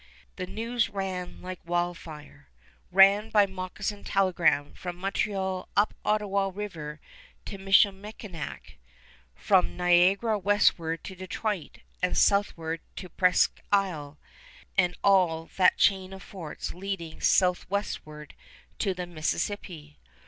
The news ran like wildfire, ran by moccasin telegram from Montreal up Ottawa River to Michilimackinac, from Niagara westward to Detroit, and southward to Presqu' Isle and all that chain of forts leading southwestward to the Mississippi.